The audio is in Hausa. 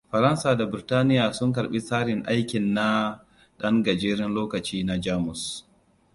Faransa da Burtaniya sun karɓi tsarin aikin na ɗan gajeren lokaci na Jamus.